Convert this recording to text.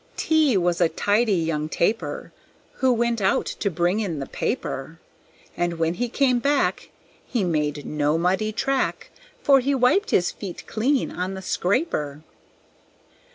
T was a tidy young Tapir, Who went out to bring in the paper; And when he came back He made no muddy track, For he wiped his feet clean on the scraper.